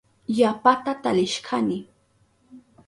Yapata talishkani.